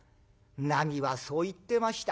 なみはそう言ってました。